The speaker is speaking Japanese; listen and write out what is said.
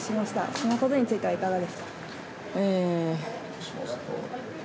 そのことについてはいかがですか？